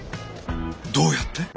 どうやって？